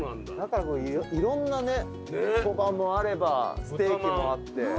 だからいろんなねそばもあればステーキもあって。